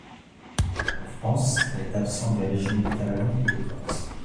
En France, elle est absente des régions méditerranéennes et de Corse.